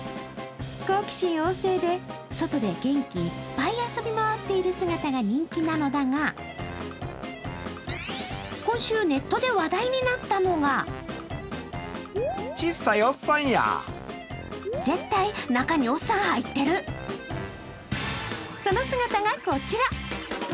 好奇心旺盛で外で元気いっぱい遊び回っている姿が人気なのだが今週ネットで話題になったのがその姿がこちら。